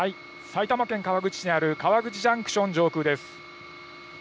埼玉県川口市にある川口ジャンクション上空です。